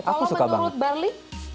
kalau menurut barli